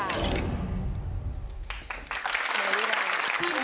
เมื่อวินาที